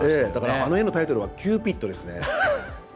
あの絵のタイトルは「キューピッド」ですね。